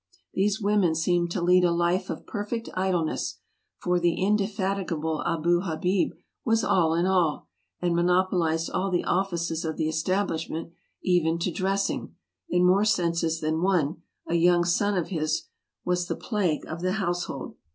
These women seemed to lead a life of perfect idleness, for the indefatigable Abou Habib was all in all, and monop olized all the offices of the establishment, even to dressing, in more senses than one, a young son of his who was the plague of the household.